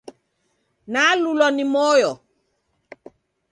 Nalulwa ni moyo!